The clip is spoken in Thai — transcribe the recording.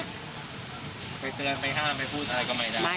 ไปเตือนไปห้ามไปพูดอะไรก็ไม่ได้